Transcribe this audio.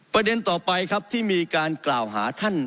ประเด็นต่อไปครับที่มีการกล่าวหาท่าน